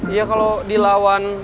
ya kalau dilawan